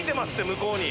向こうに。